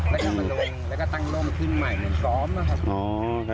แล้วก็มาลงแล้วก็ตั้งร่มขึ้นใหม่เหมือนซ้อมนะครับ